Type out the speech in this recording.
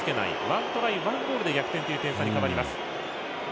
１ゴールで逆転という点差に変わります。